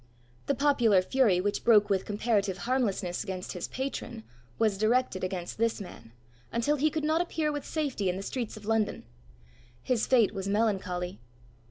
The popular fury, which broke with comparative harmlessness against his patron, was directed against this man, until he could not appear with safety in the streets of London. His fate was melancholy.